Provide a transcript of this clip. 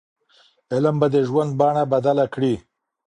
علم به د ژوند بڼه بدله کړي.